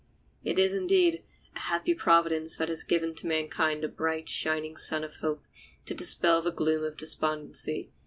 It is, indeed, a happy providence that has given to mankind the bright, shining sun of hope to dispel the gloom of despondency.